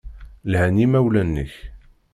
Lhan yimawlan-nnek.